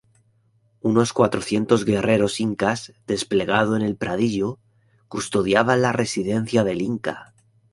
Unos cuatrocientos guerreros incas, desplegado en el pradillo, custodiaban la residencia del Inca.